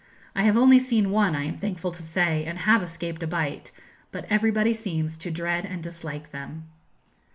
I have only seen one, I am thankful to say, and have escaped a bite; but everybody seems to dread and dislike them.